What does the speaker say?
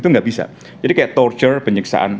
itu nggak bisa jadi kayak toucher penyiksaan